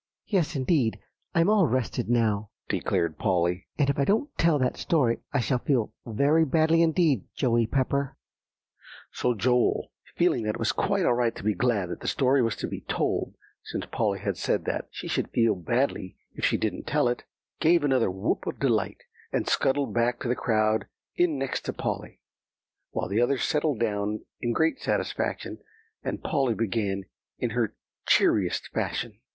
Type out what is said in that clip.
"Yes, indeed; I'm all rested now," declared Polly; "and if I don't tell that story I shall feel very badly indeed, Joey Pepper." So Joel, feeling that it was quite right to be glad that the story was to be told, since Polly had said that she should feel badly if she didn't tell it, gave another whoop of delight, and scuttled back to crowd in next to Polly, while the others settled down in great satisfaction, and Polly began in her cheeriest fashion.